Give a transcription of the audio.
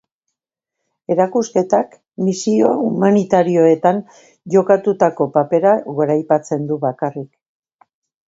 Erakusketak misio humanitarioetan jokatutako papera goraipatzen du bakarrik.